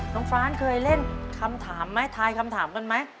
ฟ้านเคยเล่นคำถามไหมทายคำถามกันไหม